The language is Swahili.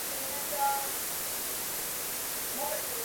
kama wenyeji wa maeneo mengine ya chini